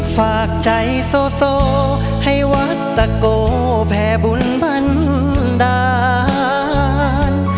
ฝากใจโซให้วัดตะโกแผ่บุญบันดาล